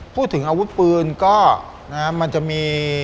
พูดถึงอาวุธปืนก็นะฮะมันจะมี